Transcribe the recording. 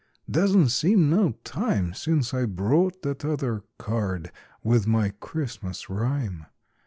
Doesn't seem no time Since I brought that other card With my Christmas rhyme.